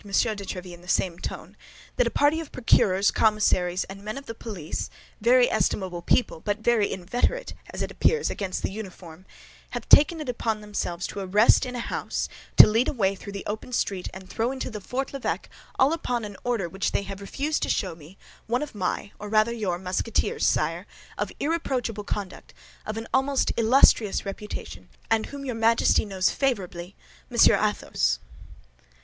de Tréville, in the same tone, "that a party of procureurs, commissaries, and men of the police—very estimable people, but very inveterate, as it appears, against the uniform—have taken upon themselves to arrest in a house, to lead away through the open street, and throw into Fort l'Evêque, all upon an order which they have refused to show me, one of my, or rather your Musketeers, sire, of irreproachable conduct, of an almost illustrious reputation, and whom your Majesty knows favorably, Monsieur Athos."